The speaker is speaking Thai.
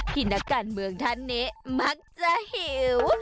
พินักกันเมืองท่านเน๊ะมักจะหิว